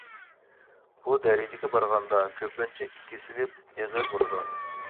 بۇ دەرىجىگە بارغاندا كۆپىنچە كېسىلى ئېغىر بولىدۇ.